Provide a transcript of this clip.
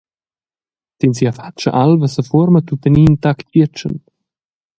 Sin sia fascha alva sefuorma tuttenina in tac tgietschen.